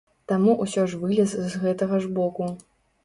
Таму ўсё ж вылез з гэтага ж боку.